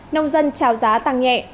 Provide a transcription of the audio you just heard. nông dân trào giá tăng nhẹ